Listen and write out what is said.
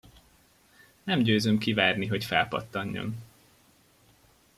Nem győzöm kivárni, hogy felpattanjon.